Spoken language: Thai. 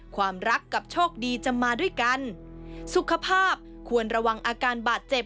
ความรักกับโชคดีจะมาด้วยกันสุขภาพควรระวังอาการบาดเจ็บ